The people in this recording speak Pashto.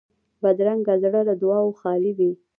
بدرنګه زړه له دعاوو خالي وي